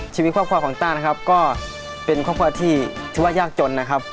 ชีวิตความความของตานะครับก็เป็นความความที่ถือว่ายากจนนะครับ